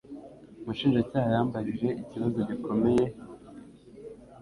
Umushinjacyaha yambajije ikibazo gikomeye.